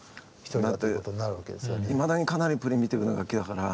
いまだにかなりプリミティブな楽器だから。